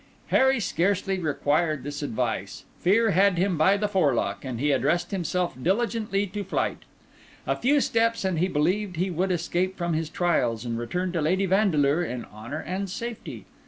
Harry scarcely required this advice; fear had him by the forelock; and he addressed himself diligently to flight. A few steps, and he believed he would escape from his trials, and return to Lady Vandeleur in honour and safety.